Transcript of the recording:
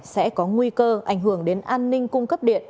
sẽ có nguy cơ ảnh hưởng đến an ninh cung cấp điện